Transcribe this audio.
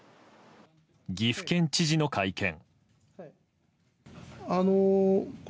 岐阜県知事の会見。